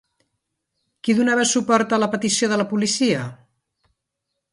Qui donava suport a la petició de la policia?